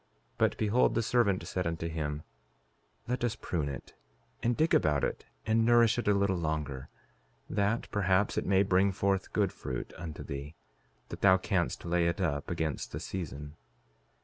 5:27 But behold, the servant said unto him: Let us prune it, and dig about it, and nourish it a little longer, that perhaps it may bring forth good fruit unto thee, that thou canst lay it up against the season.